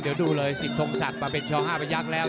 เดี๋ยวดูเลยสิทธงศักดิ์มาเป็นช๕พยักษ์แล้ว